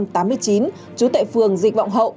trú tại phường dịch vọng hậu